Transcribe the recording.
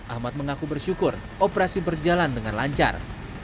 ahmad mengaku bersyukur operasi berjalan dengan lancar